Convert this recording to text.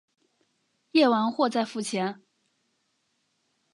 验货完再付钱